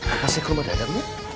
apa sih kum ada adanya